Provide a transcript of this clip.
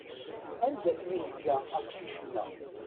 Anda akken i neǧǧa aqcic-nneɣ?